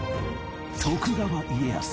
徳川家康？